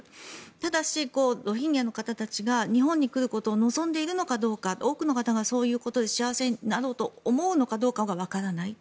ただし、ロヒンギャの方たちが日本に来ることを望んでいるのかどうか多くの人がそのことで幸せになろうと思うのかどうかが分からない。